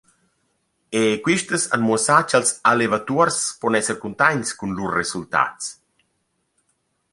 E quistas han muossà cha’ls allevatuors pon esser cuntaints cun lur resultats.